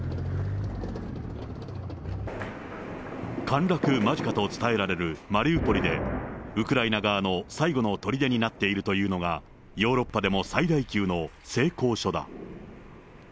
陥落間近と伝えられるマリウポリで、ウクライナ側の最後のとりでになっているというのが、ヨーロッパでも最大級の製鋼所だ。